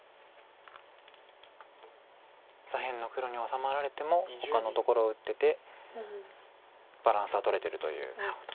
左辺の黒に治まられてもほかのところを打っててバランスは取れてるという。